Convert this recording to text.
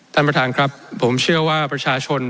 ท่านประธานครับผมเชื่อว่าประชาชน